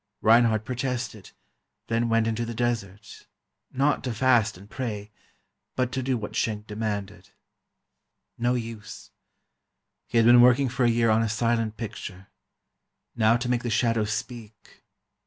Reinhardt protested, then went into the desert—not to fast and pray, but to do what Schenck demanded. No use. He had been working for a year on a silent picture. Now to make the shadows speak